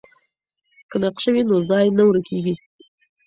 که نقشه وي نو ځای نه ورکیږي.